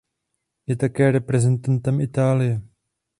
Je také reprezentantem Itálie.